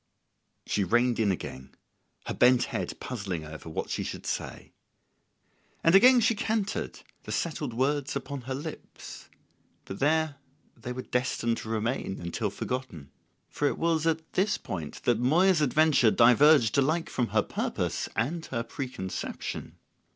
She reined in again, her bent head puzzling over what she should say. And again she cantered, the settled words upon her lips; but there they were destined to remain until forgotten; for it was at this point that Moya's adventure diverged alike from her purpose and her preconception.